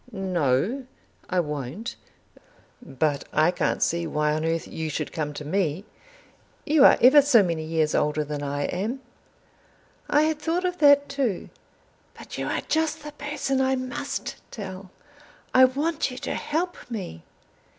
"No, I won't. But I can't see why on earth you should come to me. You are ever so many years older than I am." "I had thought of that too. But you are just the person I must tell. I want you to help me."